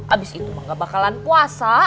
abis itu mah gak bakalan puasa